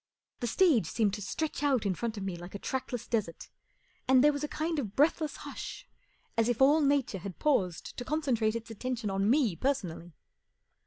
The stage seemed to stretch out in front of me like a trackless desert, and there was a kind of breathless hush as if all Nature had paused to concentrate its attention on me personally.